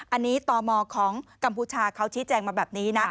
อันนี้ตมของกัมพูชาเขาชี้แจงมาแบบนี้นะ